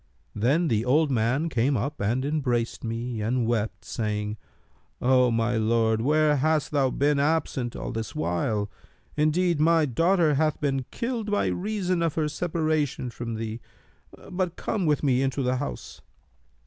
Then the old man came up and embraced me and wept, saying, 'O my lord, where hast thou been absent all this while? Indeed, my daughter hath been killed by reason of her separation from thee; but come with me into the house.'